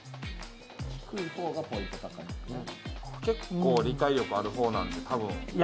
結構理解力ある方なんで。